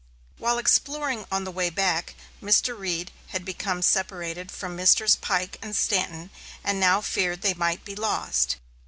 While exploring on the way back, Mr. Reed had become separated from Messrs. Pike and Stanton and now feared they might be lost.